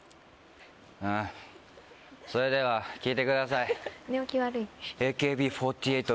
んそれでは聴いてください。